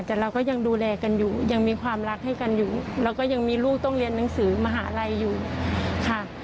แต่เราก็ยังดูแลกันอยู่ยังมีความรักให้กันอยู่แล้วก็ยังมีลูกต้องเรียนหนังสือมหาลัยอยู่ค่ะ